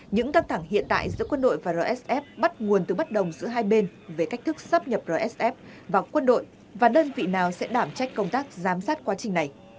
những căng thẳng hiện tại giữa quân đội và rsf bắt nguồn từ bất đồng giữa hai bên về cách thức sắp nhập rsf vào quân đội và đơn vị nào sẽ đảm trách công tác giám sát quá trình này